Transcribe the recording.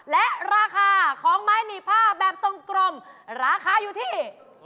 และราคาของไม้หนีผ้าแบบทรงกลมราคาอยู่ที่